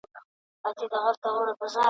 خپل ملي بیرغونه پورته کوي !.